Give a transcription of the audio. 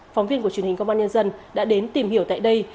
phóng viên của truyền hình công an nhân dân đã đến tìm hiểu tại đây